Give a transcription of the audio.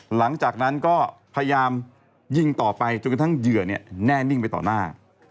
หลังจากนั้นก็พยายามยิงต่อไปจนกระทั่งเหยื่อแน่นิ่งไปต่อหน้า